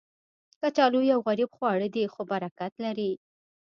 کچالو یو غریب خواړه دی، خو برکت لري